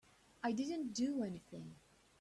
I didn't do anything.